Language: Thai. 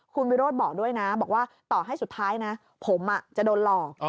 คุณวิโรธบอกด้วยนะบอกว่าต่อให้สุดท้ายนะผมจะโดนหลอก